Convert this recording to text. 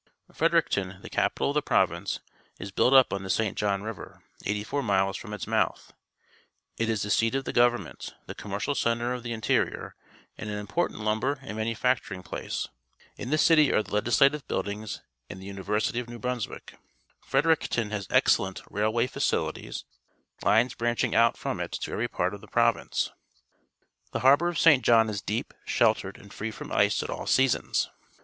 — Fredericton. the capi tal of the province , is built up on the St. John River, eighty four miles from ita mouth . It is the^seat of the govern ment^ the commercial centre_of the interior, and an impo rtant lumbe r and manufacturing glace. In the city are the Legislative Build ings and the University of New Brunswick. Fredericton has excellent railwav fac ilities, lines branching out from it to every part of the province. The harbour of Saint John is deep, shelte r ed^ and free from ice at all seasons.